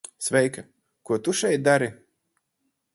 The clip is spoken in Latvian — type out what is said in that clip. Sveika. Ko tu šeit dari?